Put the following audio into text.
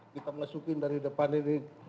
kita masukin dari depan ini